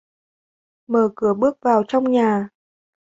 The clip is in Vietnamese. Mở cửa bước vào trong nhà